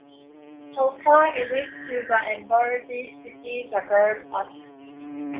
How far is it to the Emerald City? the girl asked.